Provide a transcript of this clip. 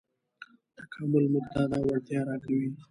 تکامل موږ ته دا وړتیا راکوي.